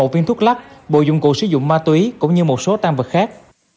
một viên thuốc lắc bộ dụng cụ sử dụng ma túy cũng như một số tam vật khác